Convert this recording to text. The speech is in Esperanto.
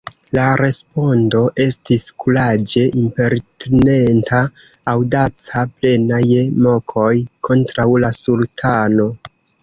La respondo estis kuraĝe impertinenta, aŭdaca, plena je mokoj kontraŭ la sultano.